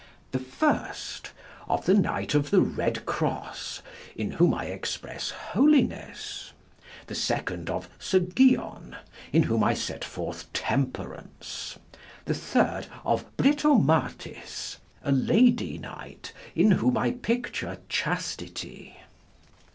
The first of the Knight of the Redcrosse, in whome I expresse holynes: The seconde of Sir Guyon, in whome I sette forth temperaunce: The third of Britomartis, a lady knight, in whome I picture chastity.